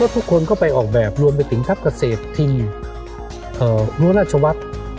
ทุกคนก็ไปออกแบบรวมไปถึงทัพเกษตรทิงนุราชวัฒน์